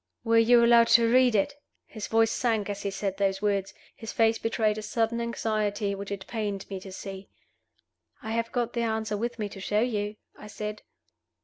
"Were you allowed to read it?" His voice sank as he said those words; his face betrayed a sudden anxiety which it pained me to see. "I have got the answer with me to show you," I said.